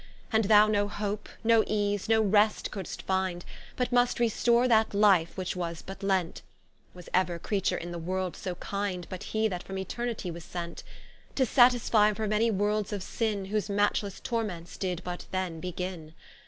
And thou no hope, no ease, no rest could'st finde, But must restore that Life, which was but lent; Was ever Creature in the World so kinde, But he that from Eternitie was sent? To satisfie for many Worlds of Sinne, Whose matchlesse Torments did but then begin.